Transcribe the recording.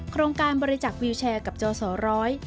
โครงการบริจักษ์วิวแชร์กับจอสอร้อย